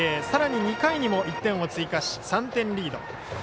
さらに２回にも１点を追加し３点リード。